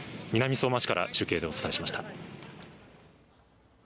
南相馬市から中継でお伝えしました。